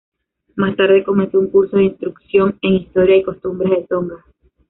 Más tarde comenzó un curso de instrucción en "Historia y Costumbres de Tonga".